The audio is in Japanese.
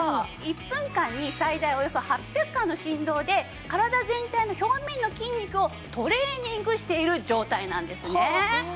１分間に最大およそ８００回の振動で体全体の表面の筋肉をトレーニングしている状態なんですね。